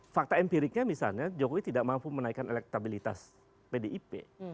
fakta empiriknya misalnya jokowi tidak mampu menaikkan elektabilitas pdip